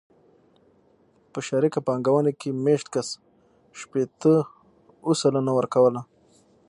په شریکه پانګونه کې مېشت کس شپېته اووه سلنه ورکوله.